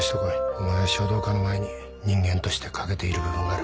お前は書道家の前に人間として欠けている部分がある。